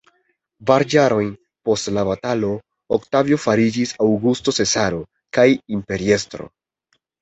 Kvar jarojn post la batalo Oktavio fariĝis Aŭgusto Cezaro kaj imperiestro.